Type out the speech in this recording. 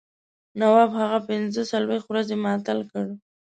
نواب هغه پنځه څلوېښت ورځې معطل کړ.